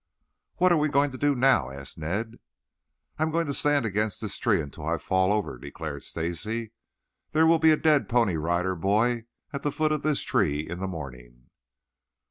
"What are we going to do now?" asked Ned. "I'm going to stand against this tree until I fall over," declared Stacy. "There will be a dead Pony Rider Boy at the foot of this tree in the morning."